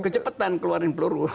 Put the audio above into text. kecepatan keluarin peluru